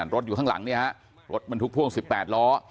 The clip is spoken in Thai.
รถอยู่ข้างหลังรถบรรทุกพ่วง๑๘ล้อ